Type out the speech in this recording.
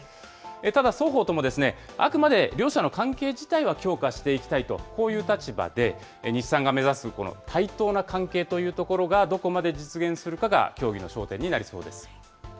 ただ、双方とも、あくまで両社の関係自体は強化していきたいと、こういう立場で、日産が目指す対等な関係というところがどこまで実現するかが協議の焦点になりそうです。